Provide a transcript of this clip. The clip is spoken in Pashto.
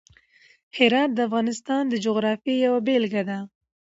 هرات د افغانستان د جغرافیې یوه بېلګه ده.